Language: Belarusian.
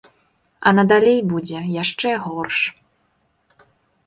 А надалей будзе яшчэ горш.